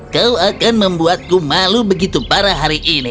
kau akan membuatku malu begitu parah hari ini